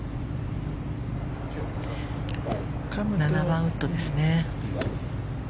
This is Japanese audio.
７番ウッドですね。